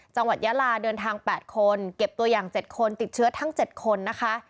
ยาลาเดินทาง๘คนเก็บตัวอย่าง๗คนติดเชื้อทั้ง๗คนนะคะ